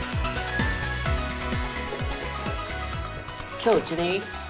今日うちでいい？